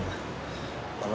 udah dipanggil sama siapa